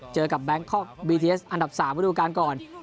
เจอกับแบงค์คอล์กบีทีเอสอันดับสามเข้าดูการก่อน